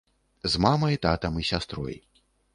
З мамай, татам і сястрой.